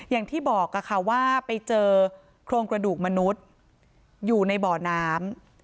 อย่างที่บอกค่ะว่าไปเจอโครงกระดูกมนุษย์อยู่ในบ่อน้ำ